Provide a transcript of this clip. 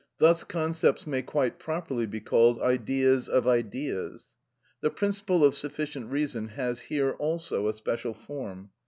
Thus concepts may quite properly be called ideas of ideas. The principle of sufficient reason has here also a special form.